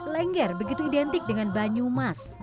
lengger begitu identik dengan banyumas